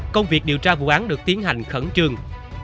công việc điều tra vụ án được tiến hành khẩn trương